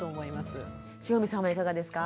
汐見さんはいかがですか？